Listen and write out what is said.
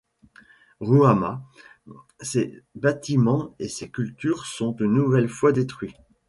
Rouhama, ses bâtiments et ses cultures sont une nouvelle fois détruits.